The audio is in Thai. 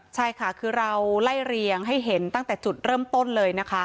ใช่ค่ะคือเราไล่เรียงให้เห็นตั้งแต่จุดเริ่มต้นเลยนะคะ